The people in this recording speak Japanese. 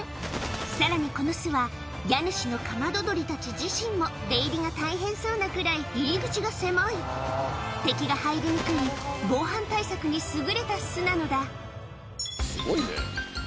さらにこの巣は家主のカマドドリたち自身も出入りが大変そうなくらい入り口が狭い敵が入りにくい防犯対策に優れた巣なのだすごいね。